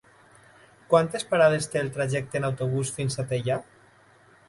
Quantes parades té el trajecte en autobús fins a Teià?